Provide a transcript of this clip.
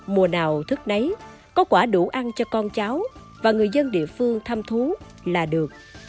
mùa nào thức nấy có quả đủ ăn cho con cháu và người dân địa phương thăm thú là được